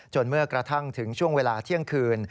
เมื่อกระทั่งถึงช่วงเวลาเที่ยงคืน